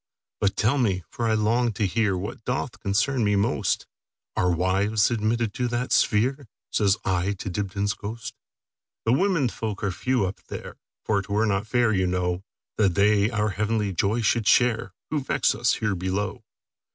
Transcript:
"But tell me, for I long to hearWhat doth concern me most, Are wives admitted to that sphere?"Says I to Dibdin's ghost."The women folk are few up there; For 't were not fair, you know, That they our heavenly joy should shareWho vex us here below.